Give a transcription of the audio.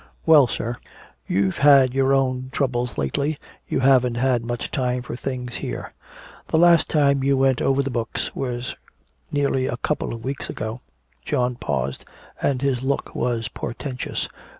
"Well, sir, you've had your own troubles lately, you haven't had much time for things here. The last time you went over the books was nearly a couple of weeks ago." John paused and his look was portentous.